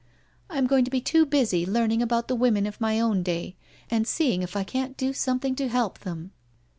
" I am going to be too busy learning about the women of my own day, and seeing if I can't do some thing to help them.